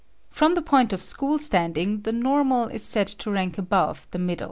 From the point of school standing the normal is said to rank above the middle.